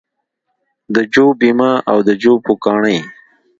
د جو بیمه او د جو پوکاڼې